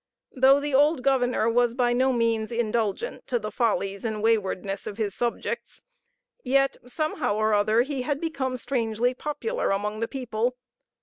Though the old governor was by no means indulgent to the follies and waywardness of his subjects, yet somehow or other he had become strangely popular among the people.